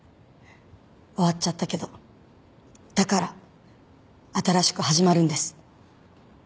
終わっちゃったけどだから新しく始まるんです。